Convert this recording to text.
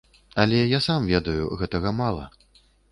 Але я сам ведаю, гэтага мала.